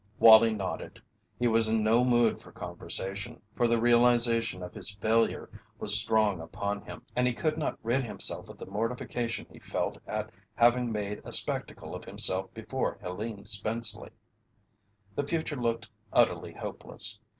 Wallie nodded. He was in no mood for conversation, for the realization of his failure was strong upon him, and he could not rid himself of the mortification he felt at having made a spectacle of himself before Helene Spenceley. The future looked utterly hopeless.